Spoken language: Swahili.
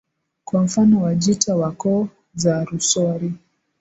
Kwa mfano Wajita wa koo za Rusori